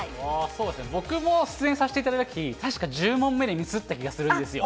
そうですね、僕も出演させていただいたとき、確か１０問目でミスった気がするんですよ。